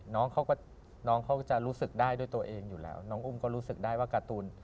น้องเขาจะรู้สึกได้ด้วยตัวเองอยู่แล้วน้องอุ้มก็รู้สึกได้ว่าการ์ตูน